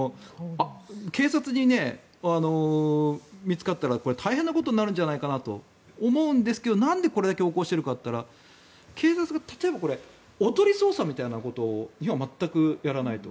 警察に見つかったらこれは大変なことになるんじゃないかなと思うんですけれどなんでこれだけ横行しているかというと警察が例えばおとり捜査みたいなことを今、全くやらないと。